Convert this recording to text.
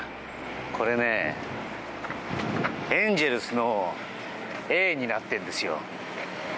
これね、エンゼルスの「Ａ」になってるんですよ。